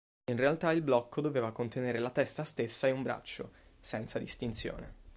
In realtà il blocco doveva contenere la testa stessa e un braccio, senza distinzione.